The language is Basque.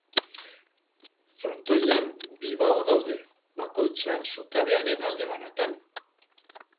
Frontoian bi bao daude, bakoitza zutabearen alde banatan.